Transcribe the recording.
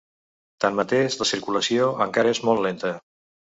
Tanmateix, la circulació encara és molt lenta.